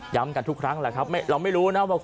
ย้ำกันทุกครั้งแหละครับ